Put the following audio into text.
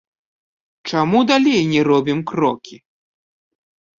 Чаму далей не робім крокі?